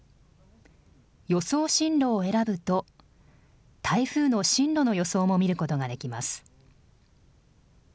予想進路を選ぶと台風の進路の予想も見ることができます。